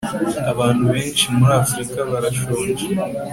abantu benshi muri afrika barashonje